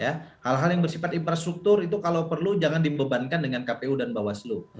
hal hal yang bersifat infrastruktur itu kalau perlu jangan dibebankan dengan kpu dan bawaslu